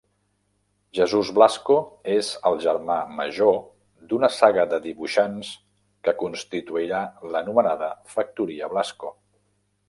Jesús Blasco és el germà major d'una saga de dibuixants que constituirà l'anomenada factoria Blasco.